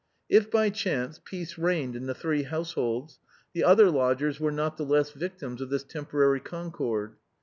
If by chance peace reigned in the three households, the other lodgers were not the less victims of this temporary concord.